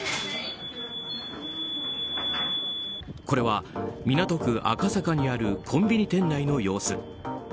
これは港区赤坂にあるコンビニ店内の様子。